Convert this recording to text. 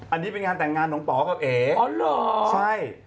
อันนี้เป็นงานแต่งงานของป๋อกับเอ๋อ๋อเหรอใช่